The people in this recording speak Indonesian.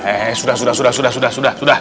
eh sudah sudah sudah sudah sudah sudah